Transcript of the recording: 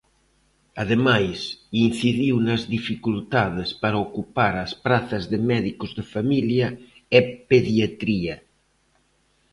Ademais, incidiu nas "dificultades" para ocupar as prazas de médicos de familia e pediatría.